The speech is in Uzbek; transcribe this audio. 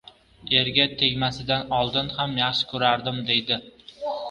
«Erga tegmasidan oldin ham yaxshi ko’rardim», deydi.